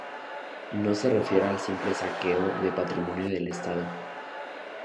No se refiere al simple saqueo de patrimonio del Estado.